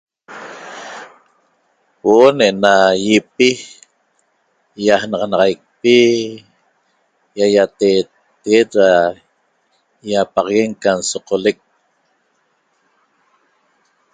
Huo'o ne'ena ýipi ýajnaxanaxaicpi ýaýateeteguet ra ýapaxaguen ca n'soqolec